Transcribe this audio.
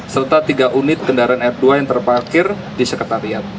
serta tiga unit kendaraan r dua yang terparkir di sekretariat